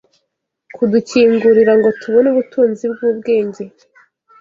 kudukingurira ngo tubone ubutunzi bw’ubwenge